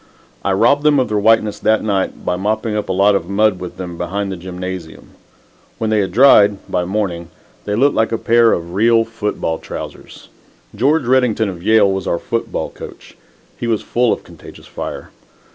I robbed them of their whiteness that night by mopping up a lot of mud with them behind the gymnasium. When they had dried by morning they looked like a pair of real football trousers. George Redington of Yale was our football coach. He was full of contagious fire.